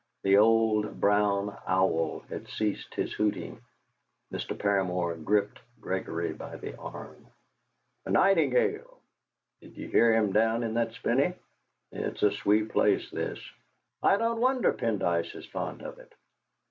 The old brown owl had ceased his hooting. Mr. Paramor gripped Gregory by the arm. "A nightingale! Did you hear him down in that spinney? It's a sweet place, this! I don't wonder Pendyce is fond of it.